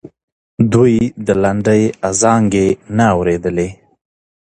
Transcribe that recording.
دوی د لنډۍ ازانګې نه اورېدلې.